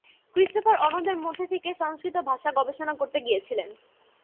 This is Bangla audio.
ক্রিস্টোফার অন্যদের মধ্যে থেকে সংস্কৃত ভাষা গবেষণা করতে গিয়েছিলেন।